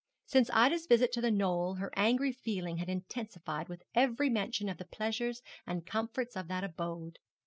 Since Ida's visit to The Knoll her angry feeling had intensified with every mention of the pleasures and comforts of that abode.